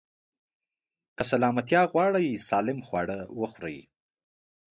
که سلامتيا غواړئ، سالم خواړه وخورئ.